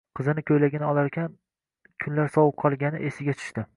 Qizining ko`ylagini olarkan, kunlar sovib qolgani esiga tushdi